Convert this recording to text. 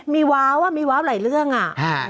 มีว้าวอ่ะมีว้าวหลายเรื่องอ่ะ